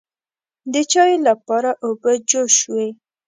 د چایو لپاره اوبه جوش شوې.